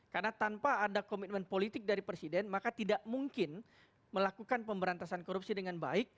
karena tanpa ada komitmen politik dari presiden maka tidak mungkin melakukan pemberantasan korupsi dengan baik